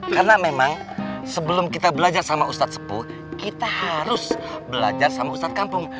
karena memang sebelum kita belajar sama ustadz sepu kita harus belajar sama ustadz kampung